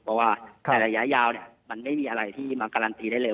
เพราะว่าในระยะยาวมันไม่มีอะไรที่มาการันตีได้เร็